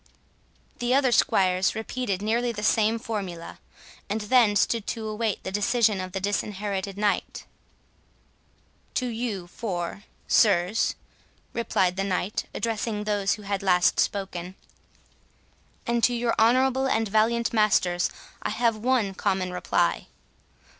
The other squires repeated nearly the same formula, and then stood to await the decision of the Disinherited Knight. "To you four, sirs," replied the Knight, addressing those who had last spoken, "and to your honourable and valiant masters, I have one common reply.